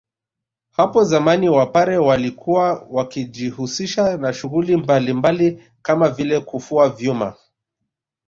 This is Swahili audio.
Hapo zamani wapare walikuwa wakijihusisha na shughuli mbalmbali Kama vile kufua vyuma